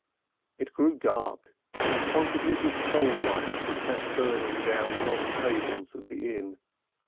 It grew dark, and quantities of soul lights were set burning down the long tables of the inn.